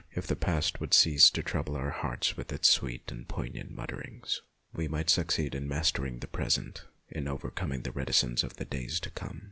If the past would cease to trouble our hearts with its sweet and poignant mutterings, we might succeed in mastering the present, in overcoming the reticence of the days to come.